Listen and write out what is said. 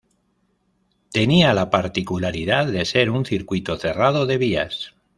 Tenía la particularidad de ser un circuito cerrado de vías.